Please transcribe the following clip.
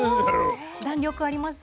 弾力あります？